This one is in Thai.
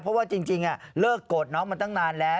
เพราะว่าจริงเลิกโกรธน้องมาตั้งนานแล้ว